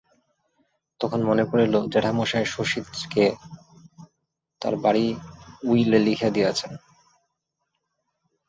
তখন মনে পড়িল জ্যাঠামশায় শচীশকে তাঁর বাড়ি উইলে লিখিয়া দিয়াছেন।